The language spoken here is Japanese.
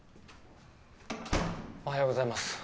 ・おはようございます。